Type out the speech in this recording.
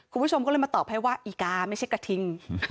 คุณผู้ชมก็เลยมาตอบให้ว่าอีกาไม่ใช่กระทิง